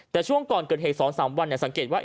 แต่ช่วงก่อนเกิดเหตุ๒๓วันสังเกตว่า